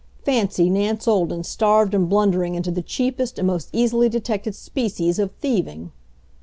Fancy Nance Olden starved and blundering into the cheapest and most easily detected species of thieving!